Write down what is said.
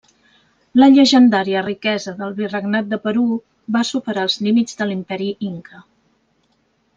La llegendària riquesa del Virregnat del Perú va superar els límits de l'Imperi inca.